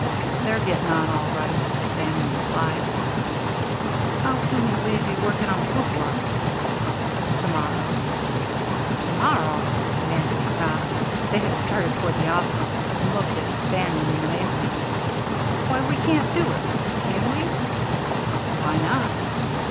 "They're getting on all right," Bannon replied. "How soon will we be working on the cupola?" "To morrow." "To morrow!" Max stopped (they had started toward the office) and looked at Bannon in amazement. "Why, we can't do it, can we?" "Why not?"